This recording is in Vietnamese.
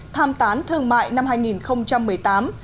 tham tán thương mại năm hai nghìn một mươi tám